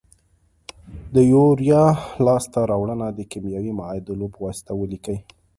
د یوریا لاس ته راوړنه د کیمیاوي معادلو په واسطه ولیکئ.